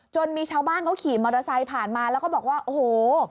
มีชาวบ้านเขาขี่มอเตอร์ไซค์ผ่านมาแล้วก็บอกว่าโอ้โห